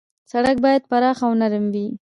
سړک باید پراخ او نرم وي.